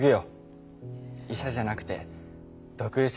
医者じゃなくて毒医者